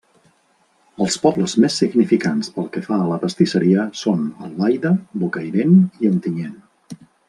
Els pobles més significants pel que fa a la pastisseria són Albaida, Bocairent i Ontinyent.